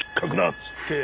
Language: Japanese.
っつって。